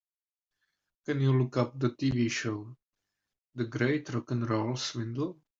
Can you look up the TV show, The Great Rock 'n' Roll Swindle?